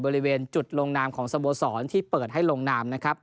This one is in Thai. บริเวณจุดลงนามของสโมสรที่เปิดให้ลงนามนะครับ